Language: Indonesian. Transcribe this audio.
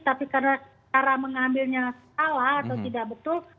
tapi karena cara mengambilnya salah atau tidak betul